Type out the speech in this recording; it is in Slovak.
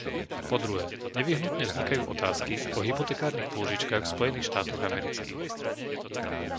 Po druhé, nevyhnutne vznikajú otázky o hypotekárnych pôžičkách v Spojených štátoch amerických.